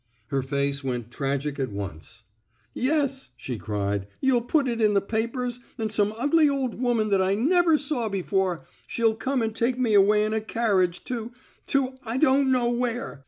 Her face went tragic at once. Yes," she cried, '* you'll put it in the papers and some ugly old woman that I never saw before, she'll come and take me away in a carriage to — to I don't know where.